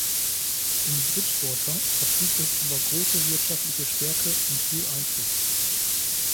In Bridgwater verfügt es über große wirtschaftliche Stärke und viel Einfluss.